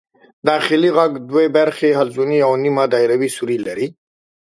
داخلي غوږ دوې برخې حلزوني او نیم دایروي سوري لري.